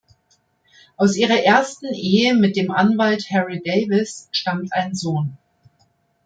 Aus ihrer ersten Ehe mit dem Anwalt Harry Davis stammt ein Sohn.